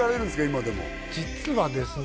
今でも実はですね